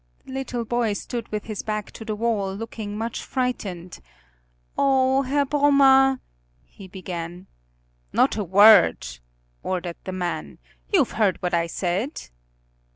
The little boy stood with his back to the wall, looking much frightened. "Oh, Herr Brummer " he began. "Not a word," ordered the man. "You've heard what I've said."